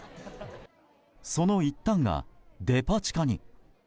その一端がデパ地下に。